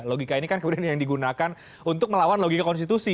logika ini kan kemudian yang digunakan untuk melawan logika konstitusi